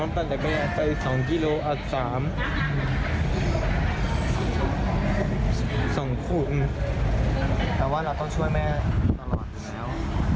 แต่ว่าเราต้องช่วยแม่ตลอดอยู่แล้ว